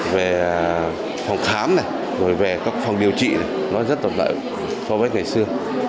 về phòng khám về các phòng điều trị nó rất tồn tại so với ngày xưa